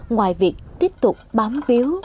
ngoài việc tiếp tục bám biếu